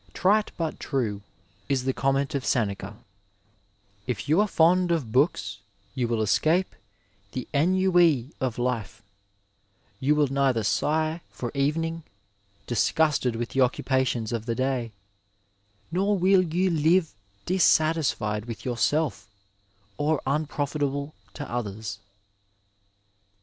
Trite but true, is the comment of Seneca —" If you are fond of books you will escape the ennui of life, you will neither sigh for even ing, disgusted with the occupations of the day — ^nor will you live dissatisfied with yourself or unprofitable to others.'